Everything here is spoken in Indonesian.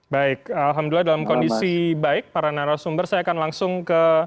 baik alhamdulillah dalam kondisi baik para narasumber saya akan langsung ke